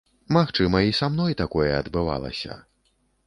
Магчыма, і са мной такое адбывалася.